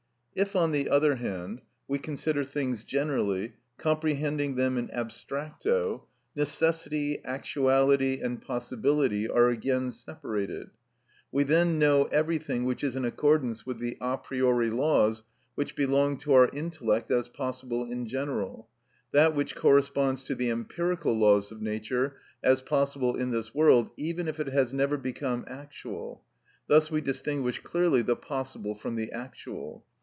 If, on the other hand, we consider things generally, comprehending them in abstracto, necessity, actuality, and possibility are again separated; we then know everything which is in accordance with the a priori laws which belong to our intellect as possible in general; that which corresponds to the empirical laws of nature as possible in this world, even if it has never become actual; thus we distinguish clearly the possible from the actual.